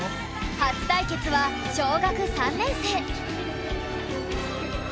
初対決は小学３年生